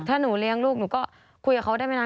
ถ้าหนูเลี้ยงลูกหนูก็คุยกับเขาได้ไหมนาน